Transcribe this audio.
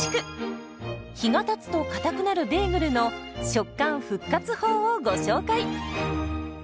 日がたつとかたくなるベーグルの食感復活法をご紹介。